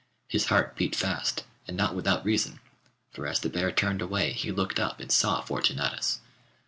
His heart beat fast, and not without reason, for as the bear turned away he looked up and saw Fortunatus!